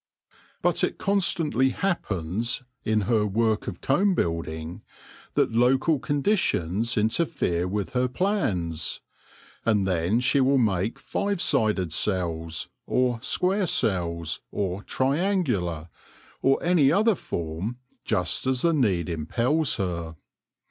But it constantly happens, in her work of comb building, that local conditions interfere with her plans ; and then she will make five sided cells, or square cells* or triangular, or any other form, just as the need impels her.